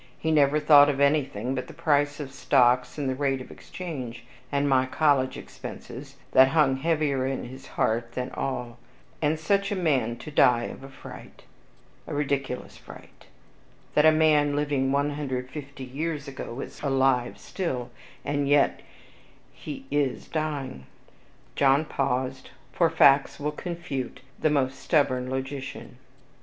He never thought of anything but the price of stocks, and the rate of exchange, and my college expenses, that hung heavier at his heart than all; and such a man to die of a fright, a ridiculous fright, that a man living 150 years ago is alive still, and yet he is dying." John paused, for facts will confute the most stubborn logician.